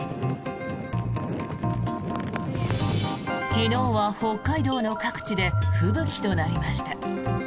昨日は北海道の各地で吹雪となりました。